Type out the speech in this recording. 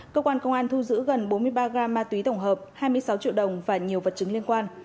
cơ quan công an thu giữ gần bốn mươi ba gam ma túy tổng hợp hai mươi sáu triệu đồng và nhiều vật chứng liên quan